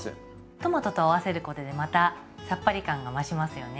トマトと合わせることでまたさっぱり感が増しますよね。